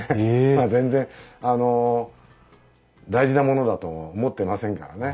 まあ全然あの大事なものだと思ってませんからね。